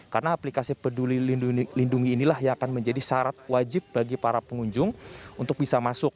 karena aplikasi peduli lindungi inilah yang akan menjadi syarat wajib bagi para pengunjung untuk bisa masuk